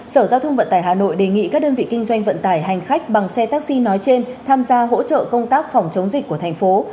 sở giao thông vận tải hà nội đề nghị các đơn vị kinh doanh vận tải hành khách bằng xe taxi nói trên tham gia hỗ trợ công tác phòng chống dịch của thành phố